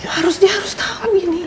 harus dia harus tahu ini